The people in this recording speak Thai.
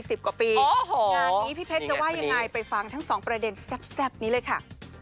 งานนี้พี่เพชรจะว่ายังไงไปฟังทั้งสองประเด็นแซ่บนี้เลยค่ะ